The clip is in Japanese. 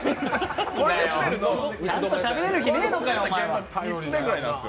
ちゃんとしゃべれる日ねえのかよ、お前は。